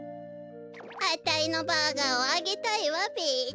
あたいのバーガーをあげたいわべ。